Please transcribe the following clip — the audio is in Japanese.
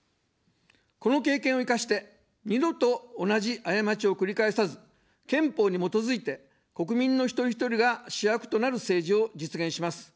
この経験を生かして、二度と同じ過ちを繰り返さず、憲法に基づいて国民の一人ひとりが主役となる政治を実現します。